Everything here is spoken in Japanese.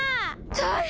大変！